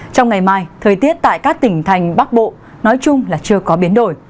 trong ngày mai thời tiết tại các tỉnh thành bắc bộ nói chung là chưa có biến đổi